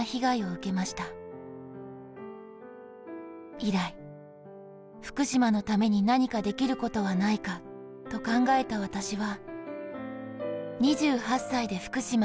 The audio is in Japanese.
「以来、福島のためになにかできることはないかと考えた私は、」